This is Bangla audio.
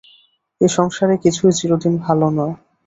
এ সংসারে কিছুই চিরদিন ভাল নয়।